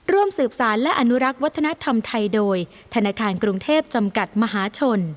ร่วมสืบสารและอนุรักษ์วัฒนธรรมไทยโดยธนาคารกรุงเทพจำกัดมหาชน